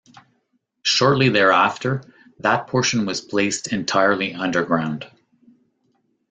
Shortly thereafter, that portion was placed entirely underground.